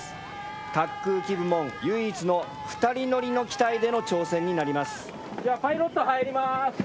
滑空機部門唯一の２人乗りの機体での挑戦になります。